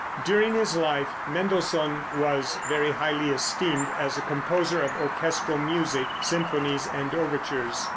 During his life, Mendelssohn was very highly esteemed as a composer of orchestral music, symphonies and overtures.